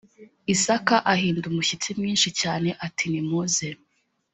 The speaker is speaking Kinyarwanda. isaka ahinda umushyitsi mwinshi cyane ati nimuze